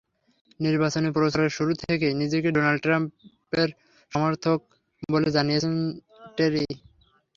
নির্বাচনী প্রচারের শুরু থেকেই নিজেকে ডোনাল্ড ট্রাম্পের সমর্থক বলে জানিয়েছেন টেরি।